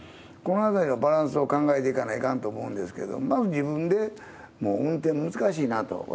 このあたりのバランスを考えていかないかんと思うんですけど、まず自分で、もう運転難しいなと。